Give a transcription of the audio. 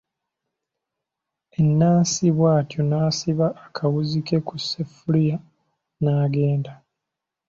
Anansi bw'atyo n'asiba akawuzi ke ku sseffuliya n'agenda.